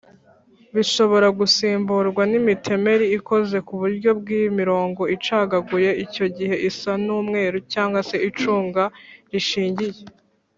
bishobora gusimburwa n’imitemeri ikoze kuburyo bw’imirongo icagaguye icyo gihe isa n’umweru cg se icunga rihishije